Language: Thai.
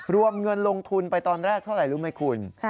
รวมเงินลงทุนไปตอนแรกเท่าไหร่รู้ไหมคุณ